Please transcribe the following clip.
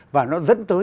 và nó dẫn tới